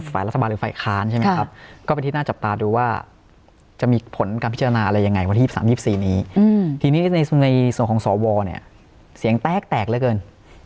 ฟ้าวอลเนี่ยเสียงแตกแตกเลยเกิน